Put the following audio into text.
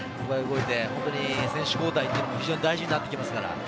選手交代も非常に大事になってきますから。